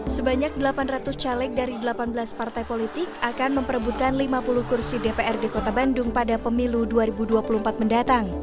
sebanyak delapan ratus caleg dari delapan belas partai politik akan memperebutkan lima puluh kursi dprd kota bandung pada pemilu dua ribu dua puluh empat mendatang